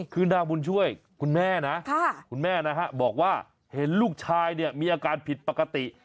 คือนางบุญช่วยคุณแม่นะบอกว่าเห็นลูกชายมีอาการผิดปกติ